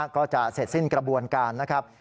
ก็จะเสร็จสิ้นกระบวนการนะครับ